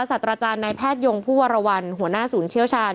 สัตว์อาจารย์นายแพทยงผู้วรวรรณหัวหน้าศูนย์เชี่ยวชาญ